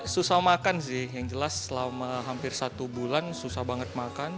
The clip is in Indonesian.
susah makan sih yang jelas selama hampir satu bulan susah banget makan